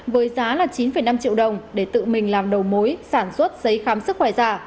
với giá là chín năm triệu đồng để tự mình làm đầu mối sản xuất giấy khám sức khỏe giả